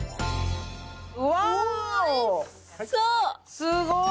すっごい。